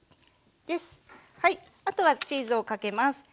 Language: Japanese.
はいあとはチーズをかけます。